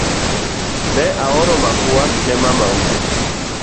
Ne aoro mafua ne mamau